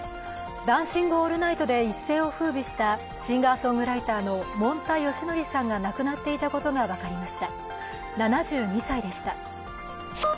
「ダンシング・オールナイト」で一世をふうびしたシンガーソングライターのもんたよしのりさんが亡くなっていたことが分かりました、７２歳でした。